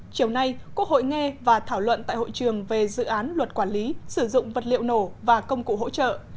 chiều nay quốc hội nghe và thảo luận tại hội trường về dự án luật quản lý sử dụng vật liệu nổ và công cụ hỗ trợ